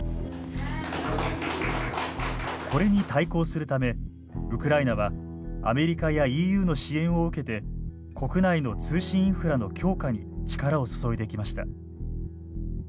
これに対抗するためウクライナはアメリカやＥＵの支援を受けて国内の通信インフラの強化に力を注いできました。